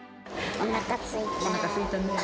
おなかすいたね。